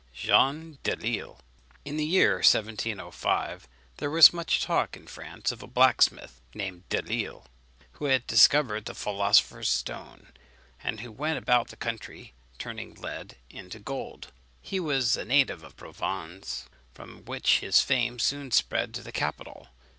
JEAN DELISLE. In the year 1705, there was much talk in France of a blacksmith, named Delisle, who had discovered the philosopher's stone, and who went about the country turning lead into gold. He was a native of Provence, from which place his fame soon spread to the capital.